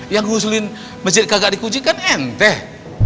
yang gue usulin masjid nggak dikunci kan enteh